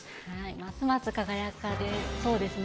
ますます輝かれそうですね。